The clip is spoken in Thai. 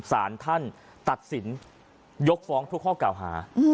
สารท่านตัดสินยกฟ้องทุกข้อเก่าหา